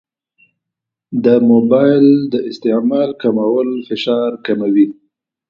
د موبایل د استعمال کمول فشار کموي.